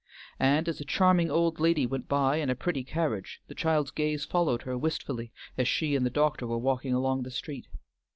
And as a charming old lady went by in a pretty carriage, the child's gaze followed her wistfully as she and the doctor were walking along the street.